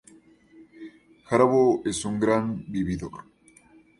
Jarabo es un gran vividor.